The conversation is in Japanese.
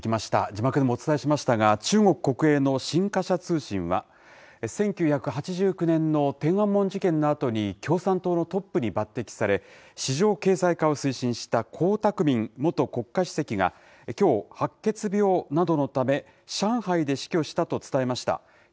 字幕でもお伝えしましたが、中国国営の新華社通信は、１９８９年の天安門事件のあとに共産党のトップに抜てきされ、市場経済化を推進した江沢民元国会主席がきょう、白血病などのため、上海で死去したと伝えました。